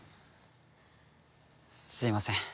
すいません。